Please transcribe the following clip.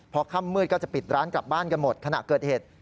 พอค่ำมืดก็จะปิดร้านกลับบ้านกันหมดขณะเกิดเหตุ